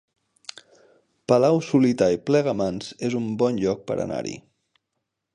Palau-solità i Plegamans es un bon lloc per anar-hi